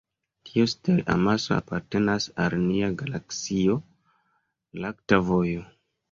Tiu stel-amaso apartenas al nia galaksio lakta vojo.